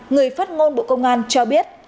người phát ngôn bộ công an cho biết